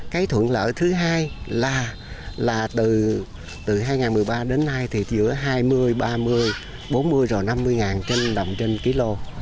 cái thuận lợi thứ hai là từ hai nghìn một mươi ba đến nay thì giữa hai mươi ba mươi bốn mươi rồi năm mươi ngàn trên đồng trên ký lô